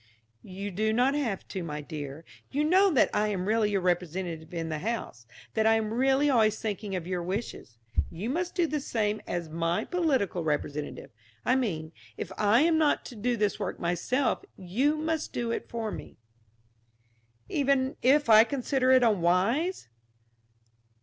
"You do not have to, my dear. You know that I am really your representative in the house; that I am really always thinking of your wishes. You must do the same as my political representative. I mean, if I am not to do this work myself, you must do it for me." "Even if I consider it unwise?"